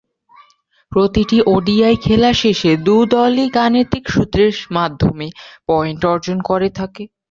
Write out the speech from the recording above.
প্রতিটি ওডিআই খেলা শেষে দু’দলই গাণিতিক সূত্রের মাধ্যমে পয়েন্ট অর্জন করে থাকে।